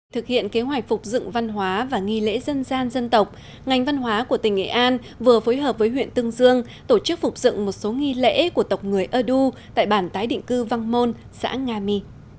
thực hiện kế hoạch phục dựng văn hóa và nghi lễ dân gian dân tộc ngành văn hóa của tỉnh nghệ an vừa phối hợp với huyện tương dương tổ chức phục dựng một số nghi lễ của tộc người ơ đu tại bản tái định cư văn môn xã nga my